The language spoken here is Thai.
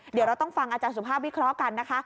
เดี๋ยวเราต้องฟังอาจารย์สุภาพวิเคราะห์กันนะคะ